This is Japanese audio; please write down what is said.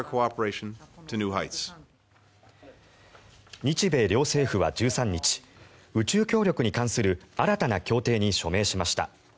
日米両政府は１３日宇宙協力に関する新たな協定に署名しました。